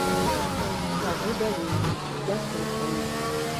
Кажы далей, я слухаю.